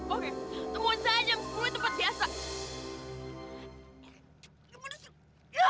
oke temuan saya jam sepuluh di tempat biasa